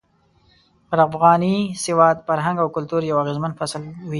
پر افغاني سواد، فرهنګ او کلتور يو اغېزمن فصل وي.